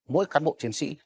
mỗi cán bộ chiến sĩ